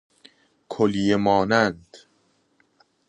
کلیه مانند